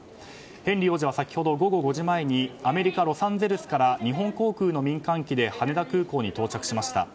ヘンリー王子は先ほど午後５時前にアメリカ・ロサンゼルスから日本航空の民間機で羽田空港に到着しました。